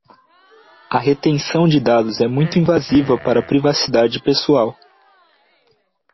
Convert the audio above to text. A retenção de dados é muito invasiva para a privacidade pessoal.